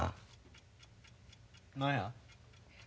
何や？